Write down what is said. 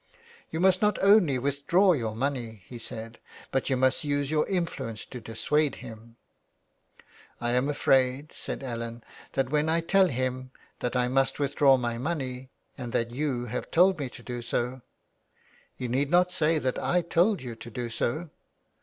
''You must not only withdraw your money,'' he said, " but you must use your influence to dissuade him." '' I am afraid," said Ellen, '' that when I tell him that I must withdraw my money, and that you have told me to do so —"" You need not say that I told you to do so."